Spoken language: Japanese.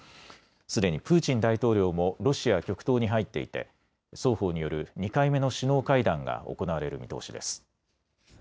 すでにプーチン大統領もロシア極東に入っていて双方による２回目の首脳会談が行われる見通しです。